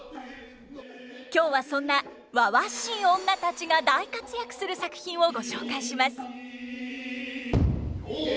今日はそんなわわしい女たちが大活躍する作品をご紹介します。